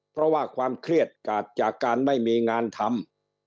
เพราะว่าความเครียดเกิดจากการไม่มีงานทำ